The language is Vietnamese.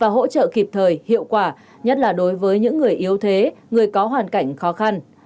hỗ trợ kịp thời hiệu quả nhất là đối với những người yếu thế người có hoàn cảnh khó khăn